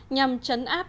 nhằm trấn áp